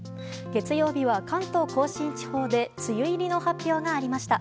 月曜日は関東・甲信地方で梅雨入りの発表がありました。